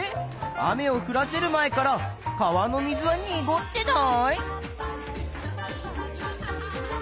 雨をふらせる前から川の水はにごってない？